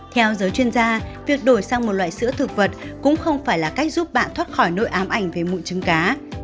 theo giới chuyên gia việc đổi sang một loại sữa thực vật cũng không phải là cách giúp bạn thoát khỏi nội ám ảnh về bụi trứng cá